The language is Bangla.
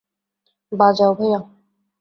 বাজাও, ভায়া।